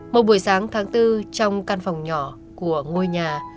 một buổi sáng tháng bốn trong căn phòng nhỏ của ngôi nhà